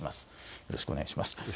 よろしくお願いします。